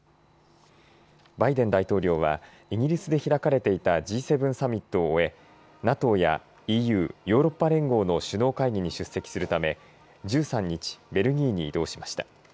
バイデン大統領はイギリスで開かれていたＧ７サミットを終えＮＡＴＯやＥＵ・ヨーロッパ連合の首脳会議に出席するため、１３日、ベルギーに移動しました。